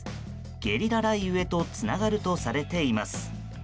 ゲリラ雷雨へとつながるとされています。